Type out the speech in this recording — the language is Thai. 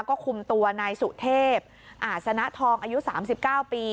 ก็คุมตัวนายสุเทพอาสนทองอายุสามสิบเก้าปี